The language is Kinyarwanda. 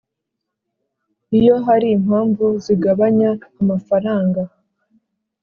Iyo hari impamvu zigabanya amafaranga